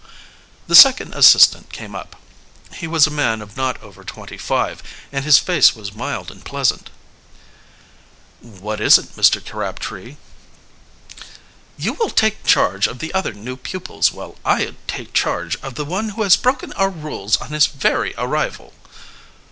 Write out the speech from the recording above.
The second assistant came up. He was a man of not over twenty five, and his face was mild and pleasant. "What is it, Mr. Crabtree." "You will take charge of the other new pupils, while I take charge of the one who has broken our rules on his very arrival."